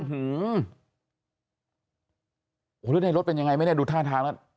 หือโหรถไฟรถเป็นยังไงดูท่าทางละ